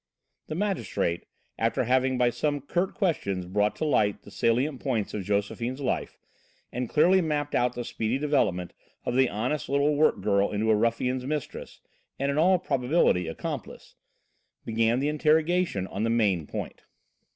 The magistrate, after having by some curt questions brought to light the salient points of Josephine's life, and clearly mapped out the speedy development of the honest little work girl into a ruffian's mistress, and in all probability, accomplice, began the interrogation on the main point.